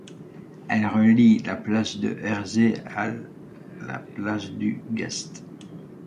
Elle relie la Place de Hercé à la place du Gast.